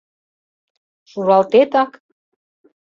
— Шуралтетак?